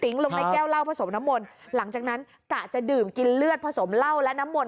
ลงในแก้วเหล้าผสมน้ำมนต์หลังจากนั้นกะจะดื่มกินเลือดผสมเหล้าและน้ำมนต